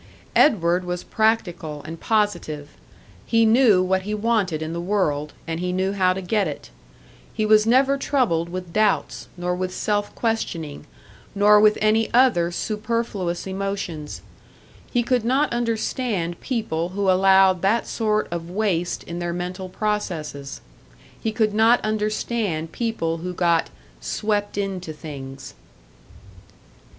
Edward was practical and positive; he knew what he wanted in the world, and he knew how to get it; he was never troubled with doubts, nor with self questioning, nor with any other superfluous emotions; he could not understand people who allowed that sort of waste in their mental processes. He could not understand people who got "swept into things."